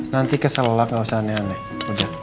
nanti kesel lah nggak usah aneh aneh udah